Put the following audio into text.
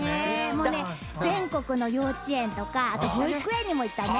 もうね全国の幼稚園とかあと保育園にも行ったね。